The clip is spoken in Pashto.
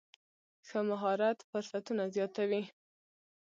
ښه مهارت فرصتونه زیاتوي.